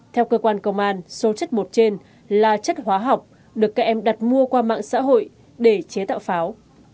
theo cơ quan công an số chất bột trên là chất hóa học được các em đặt mua qua mạng xã hội để chế tạo pháo